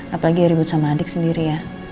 apalagi ribut sama adik sendiri ya